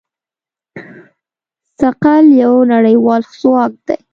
ثقل یو نړیوال ځواک دی.